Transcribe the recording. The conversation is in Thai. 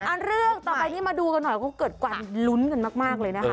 เรื่องต่อไปนี้มาดูกันหน่อยก็เกิดการลุ้นกันมากเลยนะคะ